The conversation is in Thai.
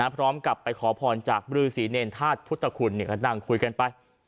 พร้อมกลับไปขอพรจากบรือศรีเน่นภาษณ์พุทธคุณเนี่ยกำลังคุยกันไป